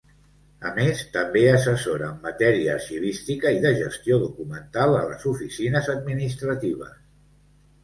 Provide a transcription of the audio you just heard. A més també assessora en matèria arxivística i de gestió documental a les oficines administratives.